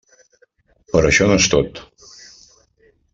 Però això no és tot.